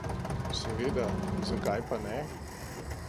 Seveda, zakaj pa ne?